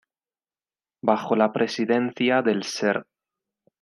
Bajo la presidencia del Sr.